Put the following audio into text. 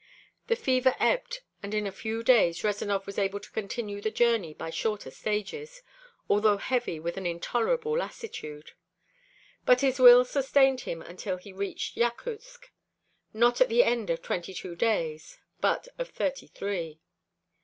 The fever ebbed, and in a few days Rezanov was able to continue the journey by shorter stages, although heavy with an intolerable lassitude. But his will sustained him until he reached Yakutsk, not at the end of twenty two days, but of thirty three.